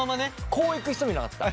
こういく人もいなかった？